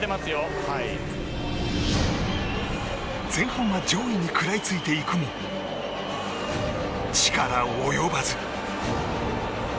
前半は上位に食らいついていくも力及ばず。